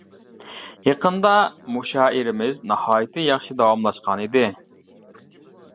يېقىندا مۇشائىرىمىز ناھايىتى ياخشى داۋاملاشقان ئىدى.